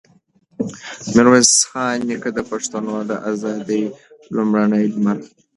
ميرويس خان نیکه د پښتنو د ازادۍ لومړنی لمر و.